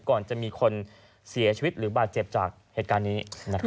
ก่อนจะมีคนเสียชีวิตหรือบาดเจ็บจากเหตุการณ์นี้